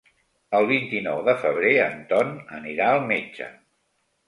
El vint-i-nou de febrer en Ton anirà al metge.